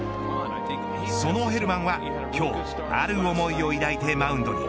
そのヘルマンは、今日ある思いを抱いてマウンドに。